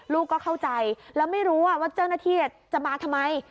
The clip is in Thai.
ลูกก็เข้าใจแล้วไม่รู้ว่าเจ้าหน้าที่จะมาทำไม